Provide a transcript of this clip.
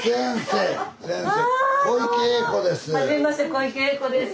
先生小池栄子です。